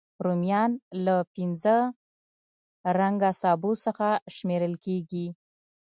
رومیان له پینځه رنګه سبو څخه شمېرل کېږي